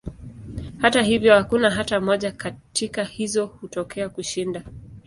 Hata hivyo, hakuna hata moja katika hizo kutokea kushinda.